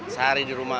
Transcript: sehari di rumah